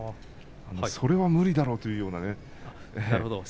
それは無理だろうというようなことですね。